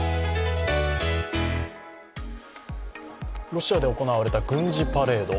ロシアで行われた軍事パレード。